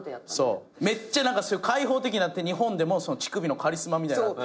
めっちゃ開放的になって日本でも乳首のカリスマみたいなって。